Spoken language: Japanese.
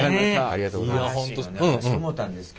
ありがとうございます。